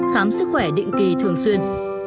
khám sức khỏe định kỳ thường xuyên